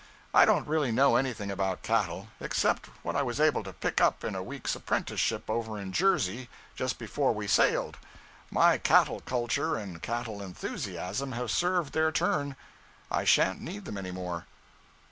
I don't really know anything about cattle, except what I was able to pick up in a week's apprenticeship over in Jersey just before we sailed. My cattle culture and cattle enthusiasm have served their turn I shan't need them any more.'